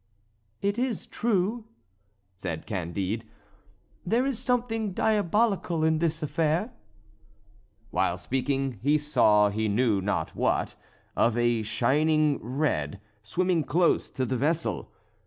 "It is true," said Candide; "there is something diabolical in this affair." While speaking, he saw he knew not what, of a shining red, swimming close to the vessel.